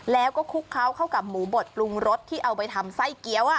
แล้วก็คลุกเคล้าเข้ากับหมูบดปรุงรสที่เอาไปทำไส้เกี้ยว